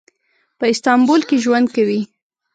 په استانبول کې ژوند کوي.